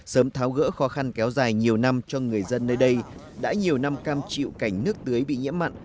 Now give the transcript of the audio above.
sớm tháo gỡ khó khăn kéo dài nhiều năm cho người dân nơi đây đã nhiều năm cam chịu cảnh nước tưới bị nhiễm mặn